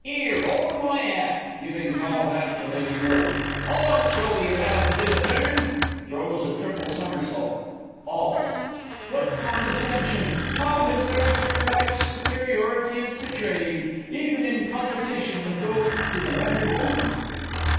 'Ere, 'old my 'at (giving tall hat to Lady R.) I'll show yer 'ow to do a turn. [Throws a triple somersault. All. What condescension! How his aristocratic superiority is betrayed, even in competition with those to the manner born!